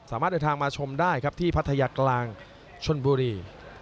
สามารถเดินทางมาชมได้ครับที่พัทยากลางชนบุรี